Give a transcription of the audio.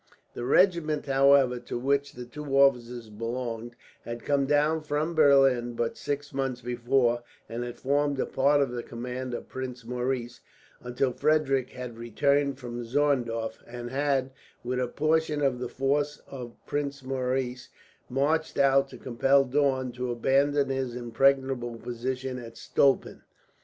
The regiment, however, to which the two officers belonged had come down from Berlin but six months before; and had formed a part of the command of Prince Maurice until Frederick had returned from Zorndorf, and had, with a portion of the force of Prince Maurice, marched out to compel Daun to abandon his impregnable position at Stolpen.